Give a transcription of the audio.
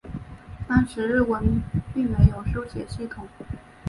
当时日文并没有书写系统。